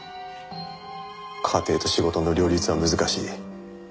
家庭と仕事の両立は難しい。